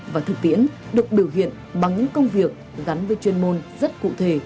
và thực tiễn được biểu hiện bằng những công việc gắn với chuyên môn rất cụ thể